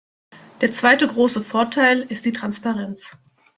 Der zweite große Vorteil ist die Transparenz.